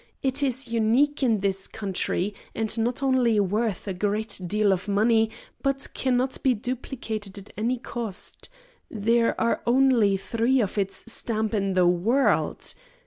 It is unique in this country, and not only worth a great deal of money, but cannot be duplicated at any cost. There are only three of its stamp in the world.